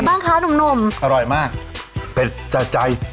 แถวเข้าเรียบไปเลยแบบนี้